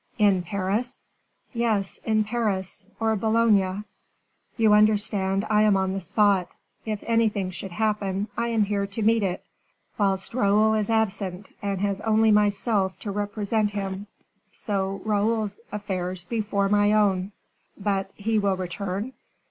"In Paris?" "Yes, in Paris, or Boulogne. You understand I am on the spot; if anything should happen, I am here to meet it; whilst Raoul is absent, and has only myself to represent him; so, Raoul's affairs before my own." "But he will return?"